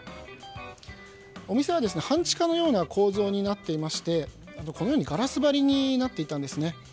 お店は半地下のような構造になっていましてこのようにガラス張りになっていたんです。